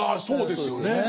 そうですよね。